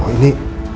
ya allah ini